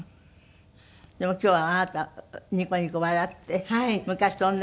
でも今日はあなたニコニコ笑って昔と同じようで。